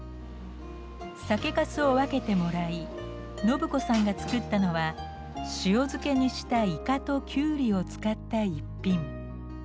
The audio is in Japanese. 酒かすを分けてもらい伸子さんが作ったのは塩漬けにしたイカときゅうりを使った一品。